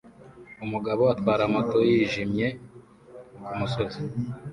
Umugabo atwara moto yijimye kumusozi